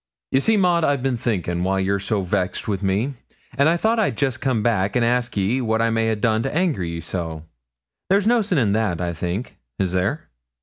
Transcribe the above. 'Ye see, Maud, I've bin thinkin' why you're so vexed wi' me, an' I thought I'd jest come back an' ask ye what I may a' done to anger ye so; there's no sin in that, I think is there?'